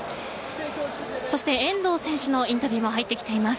そして遠藤選手のインタビューも入ってきています。